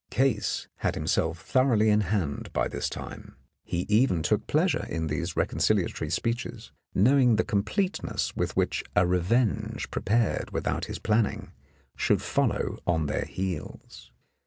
'"' Case had himself thoroughly in hand by this time. He even took pleasure in these reconciliatory speeches, knowing the completeness with which a revenge pre pared without his planning should follow on their heels.